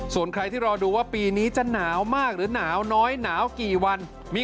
ส่วนใครที่รอดูว่าปีนี้จะหนาวมากหรือหนาวน้อยหนาวกี่วัน